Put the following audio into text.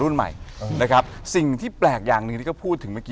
รุ่นใหม่นะครับสิ่งที่แปลกอย่างหนึ่งที่เขาพูดถึงเมื่อกี